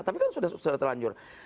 tapi kan sudah terlanjur